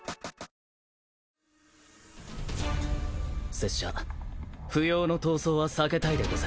拙者不要の闘争は避けたいでござる。